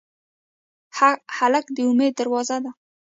هلک د امید دروازه ده.